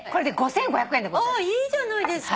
いいじゃないですか。